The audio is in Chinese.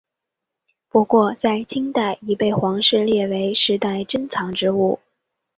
不过在清代已被皇室列为世代珍藏之物。